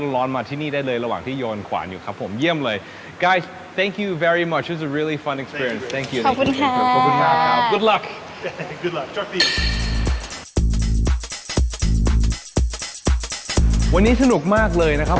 ก็ถือว่าชนะไปเลยนะครับ